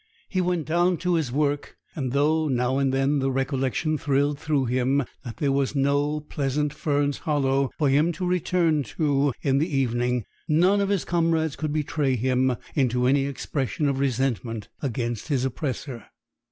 He went down to his work; and, though now and then the recollection thrilled through him that there was no pleasant Fern's Hollow for him to return to in the evening, none of his comrades could betray him into any expression of resentment against his oppressor.